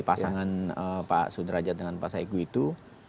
pasangan pak sudrajat dengan pak saiku itu